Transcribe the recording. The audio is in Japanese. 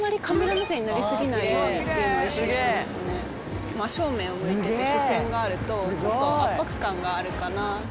真正面を向いてて視線があるとちょっと圧迫感があるかな。